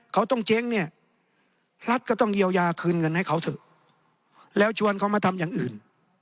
เขาต้องเจ๊งเนี่ยรัฐก็ต้องเยียวยาคืนเงินให้เขาเถอะแล้วชวนเขามาทำอย่างอื่น